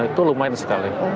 itu lumayan sekali